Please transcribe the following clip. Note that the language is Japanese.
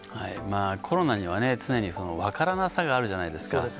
コロナには常に分からなさがあるじゃないですか。